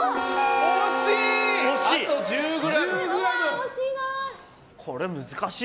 惜しい！